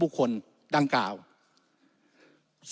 วุฒิสภาจะเขียนไว้ในข้อที่๓๐